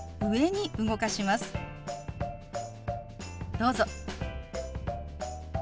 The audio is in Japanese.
どうぞ。